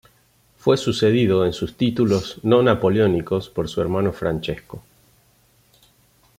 Fue sucedido en sus títulos no napoleónicos por su hermano Francesco.